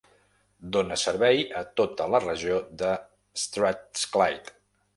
Dona servei a tota la regió de Strathclyde.